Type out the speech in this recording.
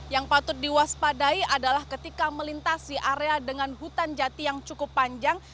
yang patut diwaspadai adalah ketika melintasi area dengan hutan jati yang cukup panjang